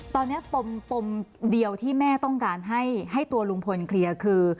ตอนนี้ปมเดียวที่แม่ต้องการให้ตัวลุงพลเคลียร์คือ